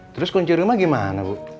terus kunci rumah gimana bu